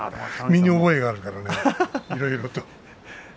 身に覚えがあるからねいろいろと。